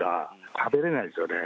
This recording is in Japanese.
食べれないですよね。